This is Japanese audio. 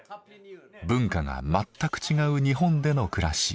文化が全く違う日本での暮らし。